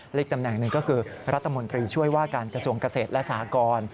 อีกตำแหน่งหนึ่งก็คือรัฐมนตรีช่วยว่าการกระทรวงเกษตรและสหกร